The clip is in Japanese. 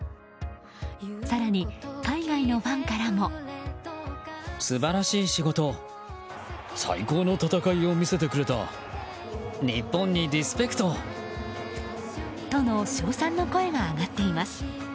更に海外のファンからも。との称賛の声が上がっています。